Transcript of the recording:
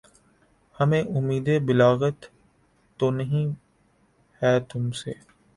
ہمیں اُمیدِ بلاغت تو نہیں ہے تُم سے